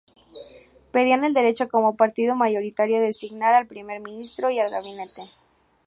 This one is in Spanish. Pedían el derecho, como partido mayoritario, de designar al Primer Ministro y al Gabinete.